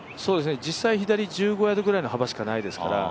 実際左１５ヤードぐらいの幅しかないですから。